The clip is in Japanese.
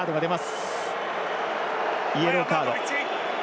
イエローカード。